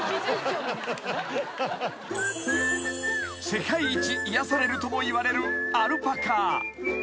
［世界一癒やされるともいわれる］